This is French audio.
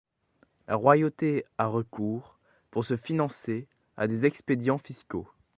La royauté a recours, pour se financer, à des expédients fiscaux.